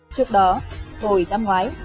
trước đó hồi năm ngoái